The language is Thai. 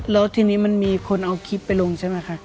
แล้วทีนี้มันมีคนเอาคลิปไปลงใช่ไหมคะ